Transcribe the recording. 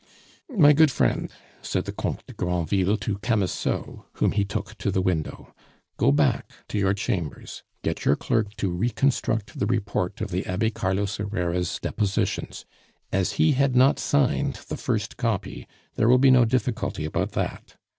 "My good friend," said the Comte de Granville to Camusot, whom he took to the window, "go back to your chambers, get your clerk to reconstruct the report of the Abbe Carlos Herrera's depositions; as he had not signed the first copy, there will be no difficulty about that.